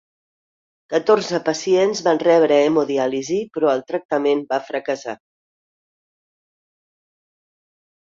Catorze pacients van rebre hemodiàlisi, però el tractament fa fracassar.